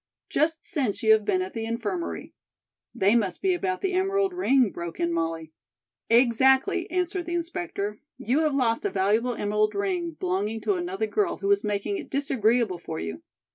"Just since you have been at the Infirmary." "They must be about the emerald ring," broke in Molly. "Exactly," answered the inspector. "You have lost a valuable emerald ring belonging to another girl who is making it disagreeable for you."